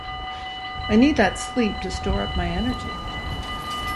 I need that sleep to store up my energy.